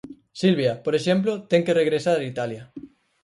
Silvia, por exemplo, ten que regresar a Italia.